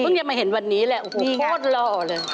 เพิ่งจะมาเห็นวันนี้แหละโธ่ดรอเลย